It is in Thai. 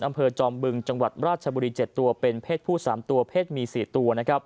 จอมบึงจังหวัดราชบุรี๗ตัวเป็นเพศผู้๓ตัวเพศมี๔ตัว